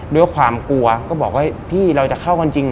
ด้วยความกลัวก็บอกว่าพี่เราจะเข้ากันจริง